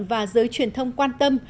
và giới truyền thông quan tâm